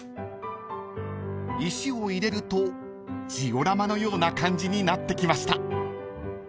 ［石を入れるとジオラマのような感じになってきました］